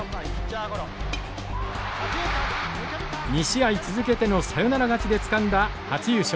２試合続けてのサヨナラ勝ちでつかんだ初優勝。